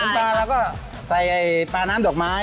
ปลาเราก็ใส่ปลาน้ำดอกไม้